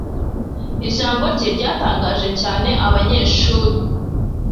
ijambo rye ryatangaje cyane abanyeshuri